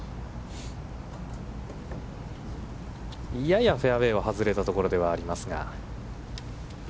ややフェアウェイを外れたところではありますが。